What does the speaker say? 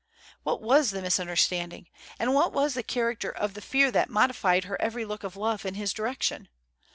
What was the misunderstanding; and what was the character of the fear that modified her every look of love in his direction?